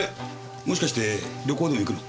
もしかして旅行でも行くの？